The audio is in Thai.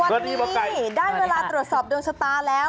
วันนี้ได้เวลาตรวจสอบดวงชะตาแล้ว